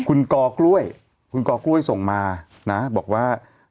คุณกอกล้วยคุณกอกล้วยส่งมานะบอกว่า